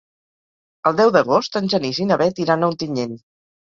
El deu d'agost en Genís i na Bet iran a Ontinyent.